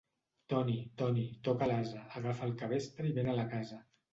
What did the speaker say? Toni, Toni, toca l'ase, agafa el cabestre i mena'l a casa.